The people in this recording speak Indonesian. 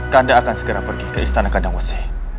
kanda akan segera pergi ke istana kandang wese